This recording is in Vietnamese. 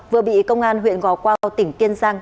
vừa bị công an huyện gò quao tỉnh kiên giang